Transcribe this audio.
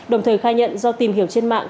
đồng thời khai nhận do tìm hiểu trên mạng